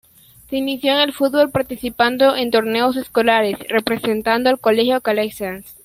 Se inició en el fútbol participando en torneos escolares representando al Colegio Calasanz.